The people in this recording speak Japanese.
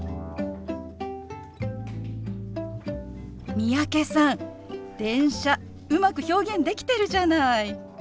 三宅さん「電車」うまく表現できてるじゃない。